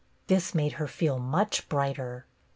This made her feel much brighter.